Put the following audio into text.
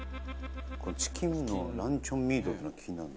チキンのランチョンミートっていうのが気になるな。